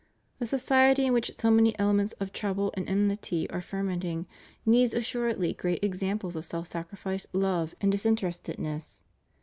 A society in which so many elements of trouble and enmity are fermenting needs assuredly great examples of self sacri fice, love, and disinterestedness.